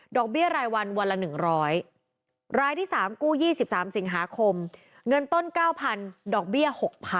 เบี้ยรายวันวันละ๑๐๐รายที่๓กู้๒๓สิงหาคมเงินต้น๙๐๐ดอกเบี้ย๖๐๐๐